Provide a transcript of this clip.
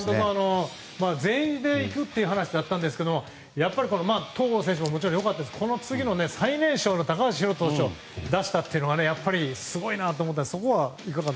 全員で行くというお話でしたが戸郷選手ももちろん良かったんですが最年少の高橋宏斗投手を出したというのはすごいなと思って。